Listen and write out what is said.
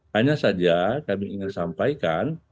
hanya saja kami ingin sampaikan